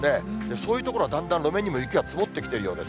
そういう所はだんだん路面にも雪が積もってきているようです。